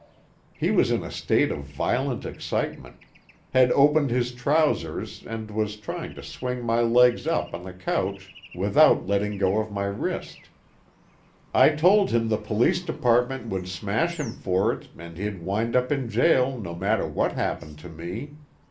He was in a state of violent excitement had opened his trousers and was trying to swing my legs up on the couch without letting go my wrist. I told him the Police Department would smash him for it and he'd wind up in jail no matter what happened to me.